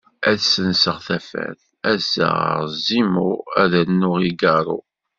Ad ssenseɣ tafat, ad ssaɣeɣ Zimu ad rnuɣ igarru.